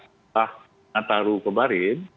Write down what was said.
setelah nataru kemarin